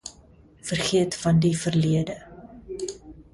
Vergeet van die verlede.